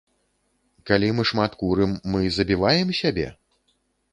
Калі мы шмат курым, мы забіваем сябе?